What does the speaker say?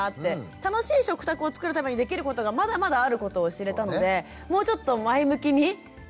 楽しい食卓をつくるためにできることがまだまだあることを知れたのでもうちょっと前向きにいこうかなと。